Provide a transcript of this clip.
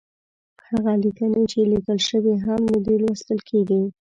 هغه ليکنې چې ليکل شوې هم نه دي، لوستل کېږي.